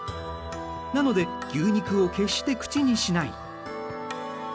なので牛肉を決して口にしない。